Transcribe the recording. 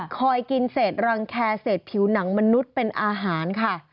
คอยกินเศษรังแคร์เศษผิวหนังมนุษย์เป็นอาหารค่ะ